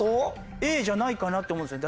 Ａじゃないかなって思うんですよ。